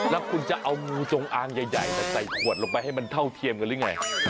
แล้วคุณจะเอางูจงอางใหญ่ใส่ขวดลงไปให้มันเท่าเทียมกันหรือไง